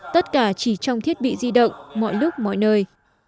tất cả chỉ trong thiết bị di động mọi lúc mọi nơi